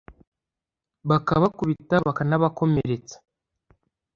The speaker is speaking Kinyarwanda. bakabakubita bakanabakomeretsa